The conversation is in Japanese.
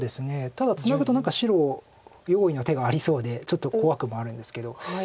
ただツナぐと何か白用意の手がありそうでちょっと怖くもあるんですけど。